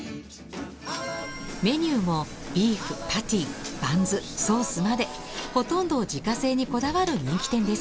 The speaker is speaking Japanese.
メニューもビーフパティバンズソースまでほとんどを自家製にこだわる人気店です。